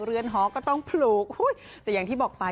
เรือนหอก็ต้องปลูกแต่อย่างที่บอกไป